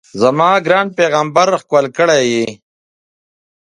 چې زما ګران پیغمبر ښکل کړی یې.